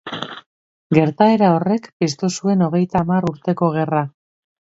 Gertaera horrek piztu zuen Hogeita Hamar Urteko Gerra.